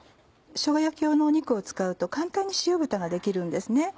しょうが焼き用のお肉を使うと簡単に塩豚ができるんです。